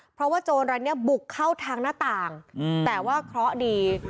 เพราะว่าโจรอันนี้บุกเข้าทางหน้าต่างแต่ว่าเคราะห์ดี